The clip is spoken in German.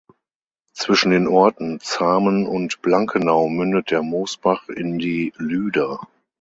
Zwischen den Orten Zahmen und Blankenau mündet der Moosbach in die Lüder.